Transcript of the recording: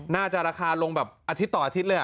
น่าจะราคาลงแบบอาทิตย์ต่ออาทิตย์เลย